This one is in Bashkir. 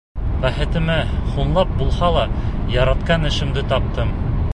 Бәхетемә, һуңлап булһа ла, яратҡан эшемде таптым.